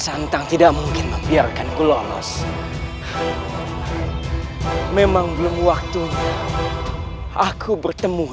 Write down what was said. ato hidupmu seperti itu sudah tersesat colocar di luar otakmu